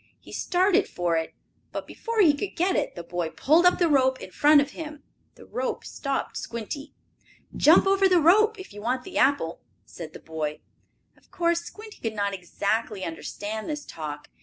He started for it, but, before he could get it the boy pulled up the rope in front of him. The rope stopped Squinty. "Jump over the rope if you want the apple," said the boy. Of course Squinty could not exactly understand this talk.